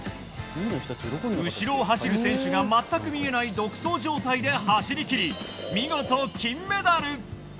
後ろを走る選手が全く見えない独走状態で走り切り、見事金メダル。